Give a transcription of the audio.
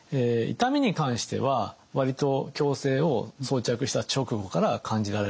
痛みに関しては割と矯正を装着した直後から感じられることが多いです。